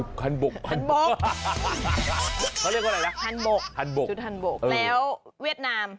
ชุดฮันบกแล้วเวียดนาม